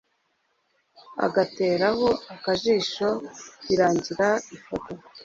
agateraho akajisho birangira ifoto